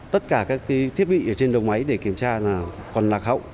tất cả các thiết bị ở trên đầu máy để kiểm tra là còn lạc hậu